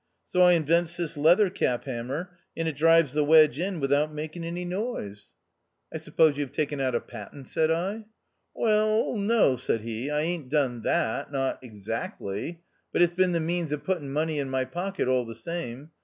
So I in wents this leather cap hammer, and it drives the wedge in without making any noise." THE OUTCAST. 205 " I suppose you have taken out a patent ?" said I. " Well, no," said he, " I aint done that — not ex act ly. But it's been the means of putting money in my pocket all the same.